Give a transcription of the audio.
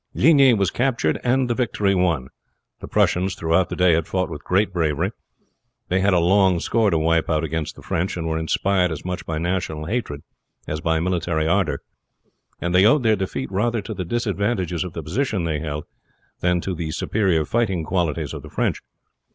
Ligny was captured and the victory won. The Prussians throughout the day had fought with great bravery. They had a long score to wipe out against the French, and were inspired as much by national hatred as by military ardor; and they owed their defeat rather to the disadvantages of the position they held than to the superior fighting qualities of the French.